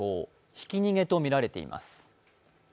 ひき逃げとみられています。